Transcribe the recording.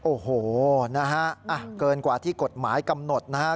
โอ้โหนะฮะเกินกว่าที่กฎหมายกำหนดนะฮะ